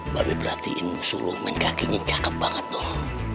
barbe perhatiin sulung main kakinya cakep banget dong